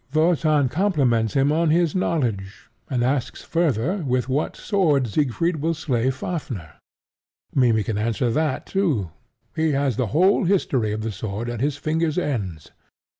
Wotan compliments him on his knowledge, and asks further with what sword Siegfried will slay Fafnir? Mimmy can answer that too: he has the whole history of the sword at his fingers' ends.